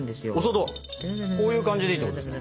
こういう感じでいいってことですか？